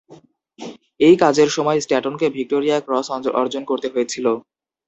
এই কাজের সময় স্ট্যাটনকে ভিক্টোরিয়া ক্রস অর্জন করতে হয়েছিল।